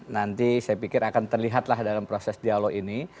nanti saya pikir akan terlihatlah dalam proses dialog ini